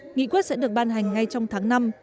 nghị quyết sẽ được ban hành ngay trong tháng năm